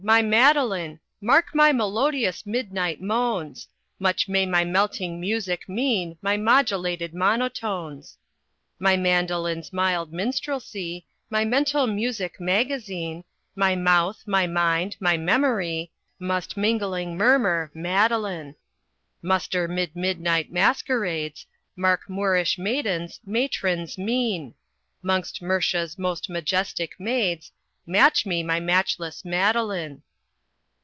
My Madeline! Mark my melodious midnight moans; Much may my melting music mean, My modulated monotones. "My mandolin's mild minstrelsy, My mental music magazine, My mouth, my mind, my memory, Must mingling murmur, 'Madeline.' "Muster 'mid midnight masquerades, Mark Moorish maidens', matrons' mien, 'Mongst Murcia's most majestic maids, Match me my matchless Madeline.